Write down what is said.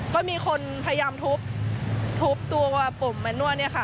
ก็มีคนพยายามทุบทุบตัวปุ่มแมนนวดเนี่ยค่ะ